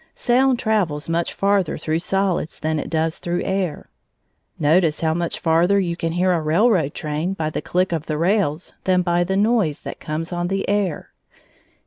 Sound travels much farther through solids than it does through air; notice how much farther you can hear a railroad train by the click of the rails than by the noise that comes on the air.